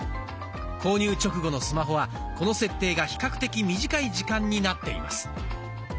購入直後のスマホはこの設定が比較的短い時間になっています。